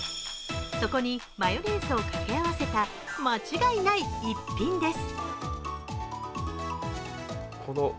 そこにマヨネーズを掛け合わせた間違いない逸品です。